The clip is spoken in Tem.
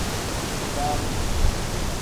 Baamoyi.